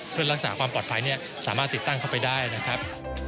เพื่อรักษาความปลอดภัยสามารถติดตั้งเข้าไปได้นะครับ